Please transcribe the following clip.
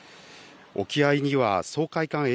沖合には掃海艦え